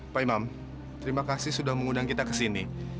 pak imam terima kasih sudah mengundang kita ke sini